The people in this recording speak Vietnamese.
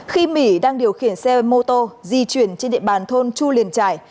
khi my đang điều khiển xe mô tô di chuyển trên địa bàn thôn chu liền trải